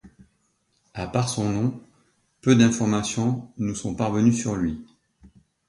À part son nom, peu d'informations nous sont parvenues sur lui.